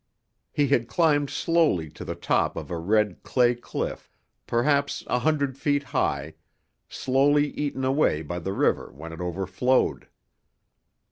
He had climbed slowly to the top of a red clay cliff, perhaps a hundred feet high, slowly eaten away by the river when it overflowed.